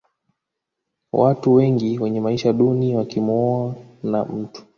watu wengi wenye maisha duni wakimuona mtu